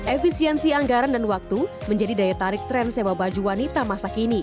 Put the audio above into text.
efisiensi anggaran dan waktu menjadi daya tarik tren sewa baju wanita masa kini